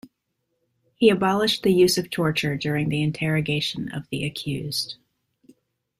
He abolished the use of torture during the interrogation of the accused.